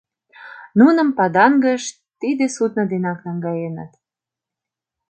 Нуным Падангыш тиде судно денак наҥгаеныт.